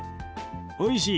おいしい。